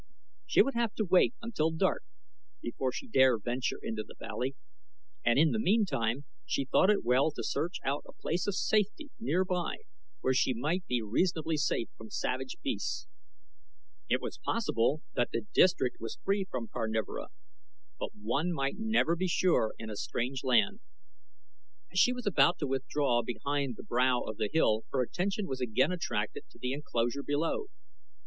She would have to wait until dark before she dare venture into the valley, and in the meantime she thought it well to search out a place of safety nearby where she might be reasonably safe from savage beasts. It was possible that the district was free from carnivora, but one might never be sure in a strange land. As she was about to withdraw behind the brow of the hill her attention was again attracted to the enclosure below.